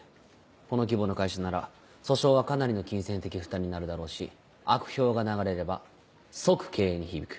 この規模の会社なら訴訟はかなりの金銭的負担になるだろうし悪評が流れれば即経営に響く。